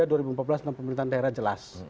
dengan pemerintahan daerah jelas